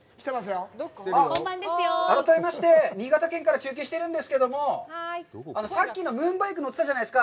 あっ、改めまして、新潟県から中継してるんですけども、さっきのムーンバイク乗ってたじゃないですか。